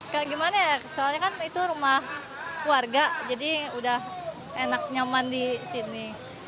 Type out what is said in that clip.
kayak gimana ya soalnya kan itu rumah warga jadi udah enak nyaman di sini